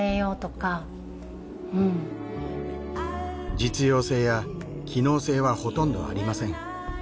実用性や機能性はほとんどありません。